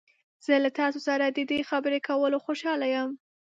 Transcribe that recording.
زه له تاسو سره د دې خبرې کولو خوشحاله یم.